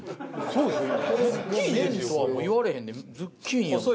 そうですね。